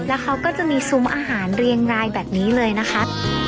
แล้วเขาก็จะมีซุ้มอาหารเรียงรายแบบนี้เลยนะคะ